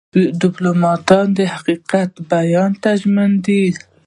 ډيپلومات د حقیقت بیان ته ژمن دی.